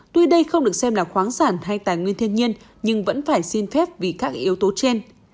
tuy đây không được xem là khoáng sản hay tài nguyên thiên nhiên nhưng vẫn phải xin phép vì các yếu tố trên